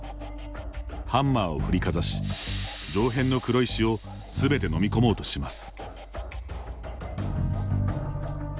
ハンマーを振りかざし上辺の黒石をすべて飲み込もうとします。